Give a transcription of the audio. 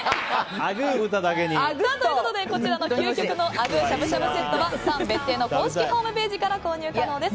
こちらの究極のあぐーしゃぶしゃぶセットは燦別邸の公式ホームページから購入可能です。